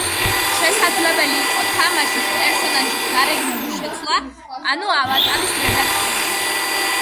შესაძლებელი იყო თამაშის პერსონაჟის გარეგნობის შეცვლა, ანუ ავატარის რედაქტირება.